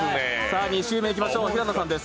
２周目いきましょう、平野さんです。